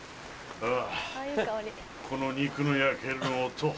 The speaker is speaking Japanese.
あぁこの肉の焼ける音。